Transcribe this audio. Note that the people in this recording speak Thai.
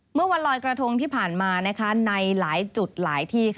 เมื่อวันลอยกระทงที่ผ่านมาในหลายจุดหลายที่